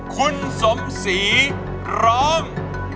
คุณสมศรีร้อง